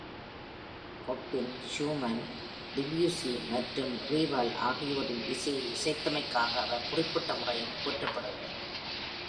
Chopin, Schumann, Debussy, மற்றும் Ravel ஆகியோரின் இசையை இசைத்தமைக்காக அவர் குறிப்பிட்ட முறையில் போற்றப்படுகிறார்.